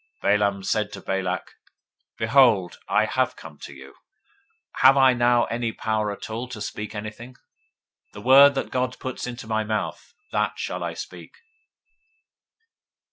022:038 Balaam said to Balak, Behold, I have come to you: have I now any power at all to speak anything? the word that God puts in my mouth, that shall I speak.